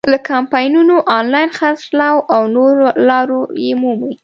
له کمپاینونو، آنلاین خرڅلاو او نورو لارو یې مومي.